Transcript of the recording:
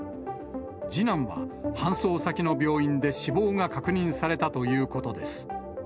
次男は搬送先の病院で死亡が確認されたということです。